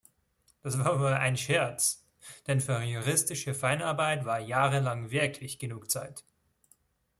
Das war wohl ein Scherz, denn für juristische Feinarbeit war jahrelang wirklich genug Zeit.